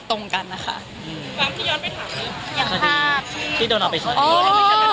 บันทึกไม่ใช่ไม่ถูกรวม